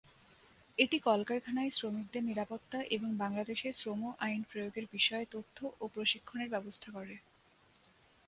এটি কলকারখানায় শ্রমিকদের নিরাপত্তা এবং বাংলাদেশে শ্রম আইন প্রয়োগের বিষয়ে তথ্য ও প্রশিক্ষণের ব্যবস্থা করে।